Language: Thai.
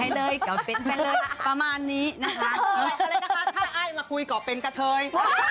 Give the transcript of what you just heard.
ให้เลยก็เป็นให้เลยพม่านนี้นะคะอะไรนะคะถ้าอ้ายมาคุยก็เป็นกับเธอย